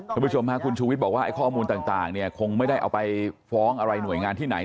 คุณผู้ชมค่ะคุณชูวิทย์บอกว่าไอ้ข้อมูลต่างเนี่ยคงไม่ได้เอาไปฟ้องอะไรหน่วยงานที่ไหน